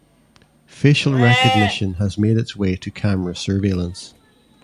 Facial recognition has made its way to camera surveillance.